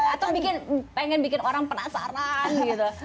atau bikin pengen bikin orang penasaran gitu